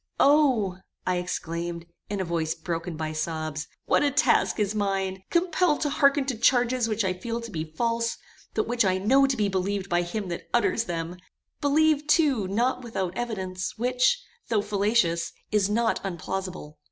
"O!" I exclaimed, in a voice broken by sobs, "what a task is mine! Compelled to hearken to charges which I feel to be false, but which I know to be believed by him that utters them; believed too not without evidence, which, though fallacious, is not unplausible.